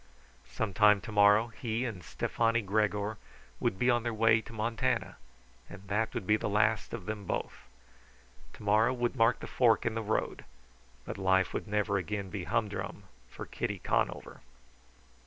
Sometime to morrow he and Stefani Gregor would be on their way to Montana; and that would be the last of them both. To morrow would mark the fork in the road. But life would never again be humdrum for Kitty Conover.